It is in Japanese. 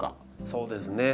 そうですね。